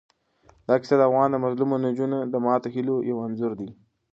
دا کیسه د افغان مظلومو نجونو د ماتو هیلو یو انځور دی.